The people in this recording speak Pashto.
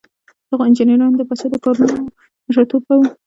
دغو انجینرانو د پادشاه د کارونو مشر توب کاوه.